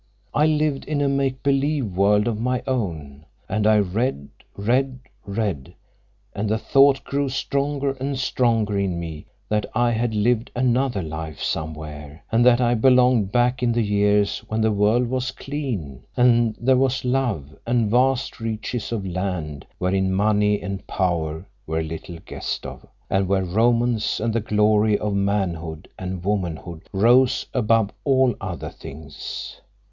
I lived in a make believe world of my own, and I read, read, read; and the thought grew stronger and stronger in me that I had lived another life somewhere, and that I belonged back in the years when the world was clean, and there was love, and vast reaches of land wherein money and power were little guessed of, and where romance and the glory of manhood and womanhood rose above all other things.